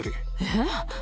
えっ？